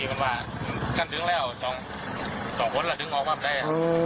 พี่มันว่าท่านดึงแล้ว๒คนละดึงออกมาไม่ได้